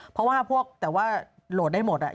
เพราะว่าพวกแต่ว่าโหลดได้หมด